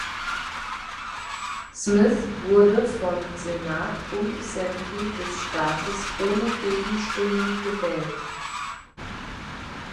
Smith wurde von Senat und Assembly des Staates ohne Gegenstimmen gewählt.